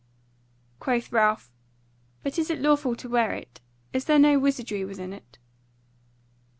Quoth Ralph: "But is it lawful to wear it? is there no wizardry within it?"